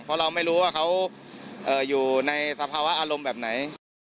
เพราะเราไม่รู้ว่าเขาอยู่ในสภาวะอารมณ์แบบไหน